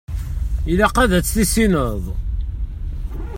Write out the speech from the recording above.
Ilaq ad tt-tissineḍ.